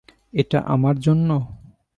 এটা আমার জন্য?